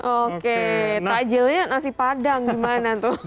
oke takjilnya nasi padang gimana tuh